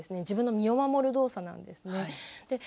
自分の身を守る動作なんですね。